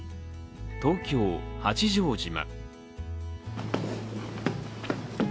東京・八丈島。